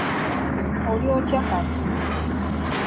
Oli otya kati?